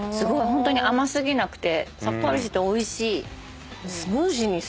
ホントに甘過ぎなくてさっぱりしてておいしい。